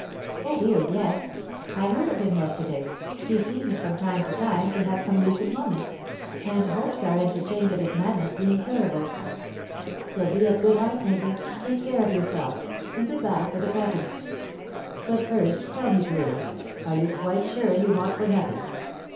"Oh, dear, yes; I heard of him yesterday, he seems from time to time to have some lucid moments, and hopes are entertained of his madness being curable. So be of good heart, neighbour, take care of yourself, and good bye for the present." "But first tell me truly, are you quite sure you want for nothing?